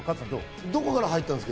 どこから入ったんですか？